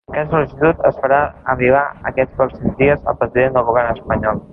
Aquesta sol·licitud es farà arribar ‘aquests pròxims dies’ al president del govern espanyol.